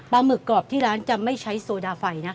หมึกกรอบที่ร้านจะไม่ใช้โซดาไฟนะ